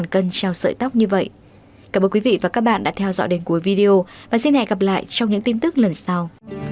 cảm ơn quý vị và các bạn đã theo dõi đến cuối video và xin hẹn gặp lại trong những tin tức lần sau